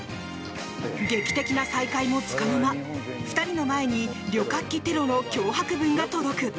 劇的な再会もつかの間２人の前に旅客機テロの脅迫文が届く。